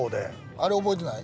あれ覚えてない？